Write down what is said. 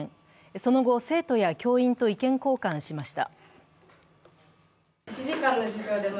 その後、生徒や教員と意見交換しました。